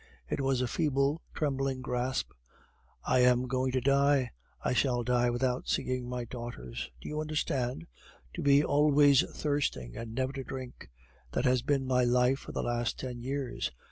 It was a feeble, trembling grasp. "I am going to die; I shall die without seeing my daughters; do you understand? To be always thirsting, and never to drink; that has been my life for the last ten years....